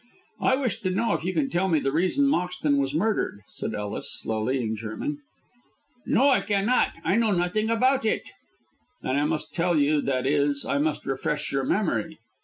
"I wish to know if you can tell me the reason Moxton was murdered?" said Ellis, slowly, in German. "No, I cannot. I know nothing about it." "Then I must tell you that is, I must refresh your memory.